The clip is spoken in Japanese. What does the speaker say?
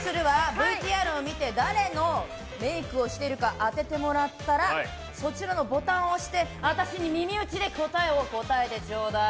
ＶＴＲを見て誰のメイクをしているか当ててもらったらそちらのボタンを押して、私に耳打ちで答えを答えてちょうだい。